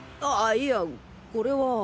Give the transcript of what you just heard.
あいやこれは。